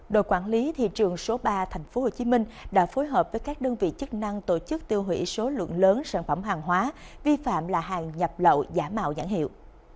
đội quản lý thị trường số ba tp hcm đã phối hợp với các đơn vị chức năng tổ chức tiêu hủy số lượng lớn sản phẩm hàng hóa vi phạm là hàng nhập lậu giả mạo nhãn hiệu